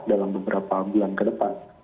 dalam beberapa bulan ke depan